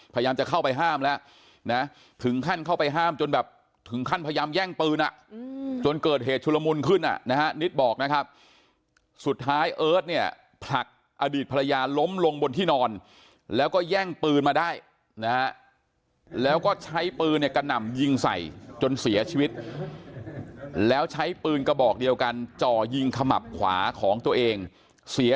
พยายามจะเข้าไปห้ามแล้วนะถึงขั้นเข้าไปห้ามจนแบบถึงขั้นพยายามแย่งปืนอ่ะจนเกิดเหตุชุลมุนขึ้นอ่ะนะฮะนิดบอกนะครับสุดท้ายเอิร์ทเนี่ยผลักอดีตภรรยาล้มลงบนที่นอนแล้วก็แย่งปืนมาได้นะฮะแล้วก็ใช้ปืนเนี่ยกระหน่ำยิงใส่จนเสียชีวิตแล้วใช้ปืนกระบอกเดียวกันจ่อยิงขมับขวาของตัวเองเสีย